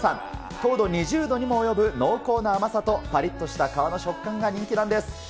糖度２０度にも及ぶ濃厚な甘さとぱりっとした皮の食感が人気なんです。